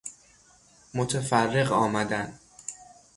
متفرق آمدن